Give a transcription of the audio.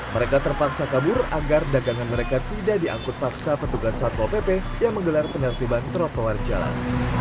mereka terpaksa kabur agar dagangan mereka tidak diangkut paksa petugas satpol pp yang menggelar penertiban trotoar jalan